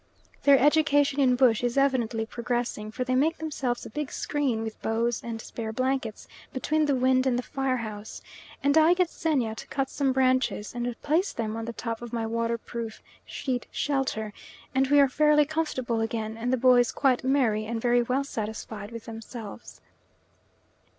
Their education in bush is evidently progressing, for they make themselves a big screen with boughs and spare blankets, between the wind and the fire house, and I get Xenia to cut some branches, and place them on the top of my waterproof sheet shelter, and we are fairly comfortable again, and the boys quite merry and very well satisfied with themselves.